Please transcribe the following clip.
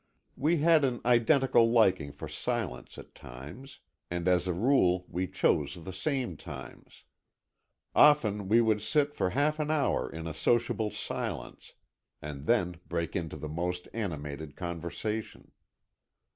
We had an identical liking for silence at times, and as a rule we chose the same times. Often we would sit for half an hour in a sociable silence, and then break into the most animated conversation.